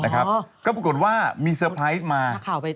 ก็ปรากฏว่ามีเซอร์ไพรส์มา